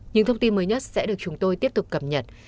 những thông tin mới nhất sẽ được chúng tôi tiếp tục cập nhật